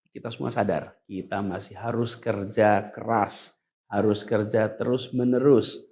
kita semua sadar kita masih harus kerja keras harus kerja terus menerus